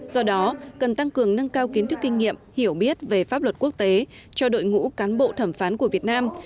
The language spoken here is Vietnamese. do đó cần tăng cường nâng cao kiến thức kinh nghiệm hiểu biết về pháp luật quốc tế cho đội ngũ cán bộ thẩm phán của việt nam